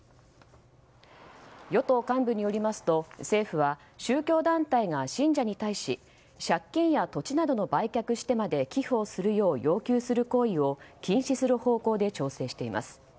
与党幹部によりますと政府は、宗教団体が信者に対し借金や土地などを売却してまで寄付をするよう要求する行為を禁止する方向で調整しています。